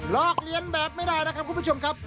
อกเลียนแบบไม่ได้นะครับคุณผู้ชมครับ